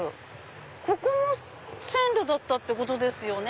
ここも線路だったってことですよね。